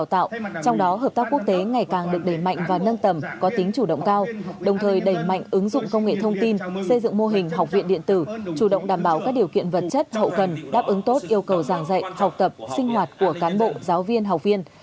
trong đó hợp tác quốc tế ngày càng được đẩy mạnh và nâng tầm có tính chủ động cao đồng thời đẩy mạnh ứng dụng công nghệ thông tin xây dựng mô hình học viện điện tử chủ động đảm bảo các điều kiện vật chất hậu cần đáp ứng tốt yêu cầu giảng dạy học tập sinh hoạt của cán bộ giáo viên học viên